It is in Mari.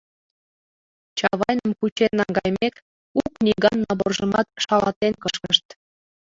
Чавайным кучен наҥгайымек, у книган наборжымат шалатен кышкышт...